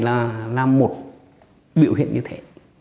là một biểu hiện như thế